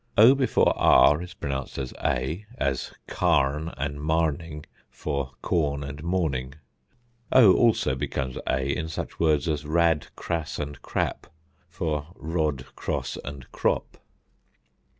o before r is pronounced as a; as carn and marning, for corn and morning. o also becomes a in such words as rad, crass, and crap, for rod, cross, and crop.